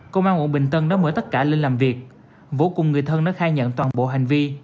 công an quận bình tân đã mở tất cả lên làm việc vũ cùng người thân đã khai nhận toàn bộ hành vi